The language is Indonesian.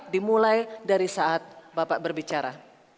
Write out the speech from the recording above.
dimulai dari saat bapak berbicara